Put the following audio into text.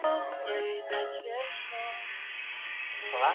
体现党中央最新精神